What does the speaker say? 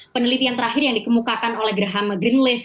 penelitian terakhir yang dikemukakan oleh graham greenleaf gitu